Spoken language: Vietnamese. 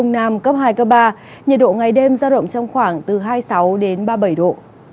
nhiệt độ ngày đêm ra rộng trong khoảng từ hai mươi sáu đến ba mươi bảy độ